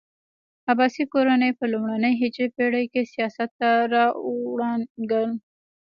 عباسي کورنۍ په لومړنۍ هجري پېړۍ کې سیاست ته راوړانګل.